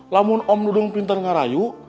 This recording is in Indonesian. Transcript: lamun om dudung pinter ngerayu